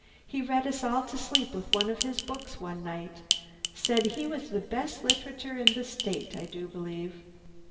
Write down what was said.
He read us all to sleep with one of his books one night. Said he was the best literature in this State, I do believe."